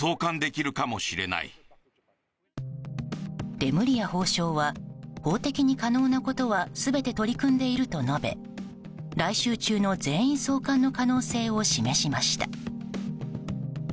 レムリヤ法相は法的に可能なことは全て取り組んでいると述べ来週中の全員送還の可能性を示しました。